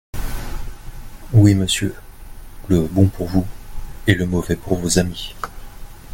Oui, monsieur : le bon pour vous et le mauvais pour vos amis.